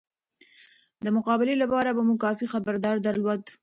د مقابله لپاره به مو کافي خبرداری درلود.